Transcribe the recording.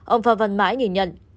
ông phạm văn mãi nhìn nhận